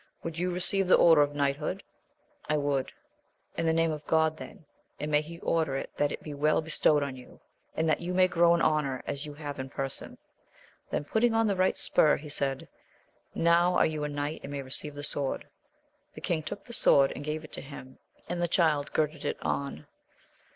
Would you receive the order of knighthood ?— I would. — In the name of God, then ! and may He order it that it be well bestowed on you, and that you may grow in honour as you have in per son. Then, putting on the right spur, he said, Now are you a knight, and may receive the sword. The king took the sword, and gave it to him, and the child girded it on.